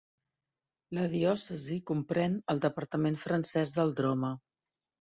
La diòcesi comprèn el departament francès del Droma.